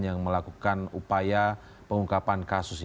yang melakukan upaya pengungkapan kasus ini